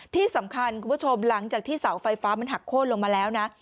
ที่สำคัญคุณผู้ชมหลังจากที่เสาไฟฟ้ามันหักโค้นลงมาแล้วนะ